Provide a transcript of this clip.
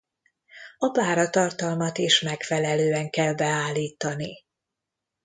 A páratartalmat is megfelelően kell beállítani.